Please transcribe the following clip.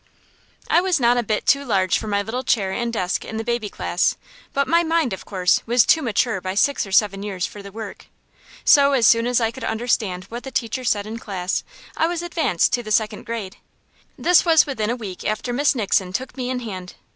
I was not a bit too large for my little chair and desk in the baby class, but my mind, of course, was too mature by six or seven years for the work. So as soon as I could understand what the teacher said in class, I was advanced to the second grade. This was within a week after Miss Nixon took me in hand.